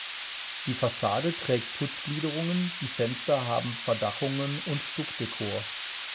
Die Fassade trägt Putzgliederungen, die Fenster haben Verdachungen und Stuckdekor.